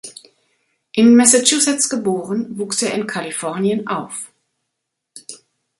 In Massachusetts geboren, wuchs er in Kalifornien auf.